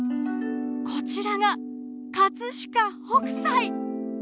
こちらが飾北斎！